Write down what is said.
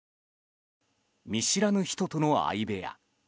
見知らぬ人との相部屋。